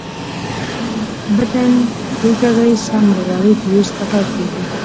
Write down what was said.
بټن کښېکاږي سم له وارې فيوز پټاو کېږي.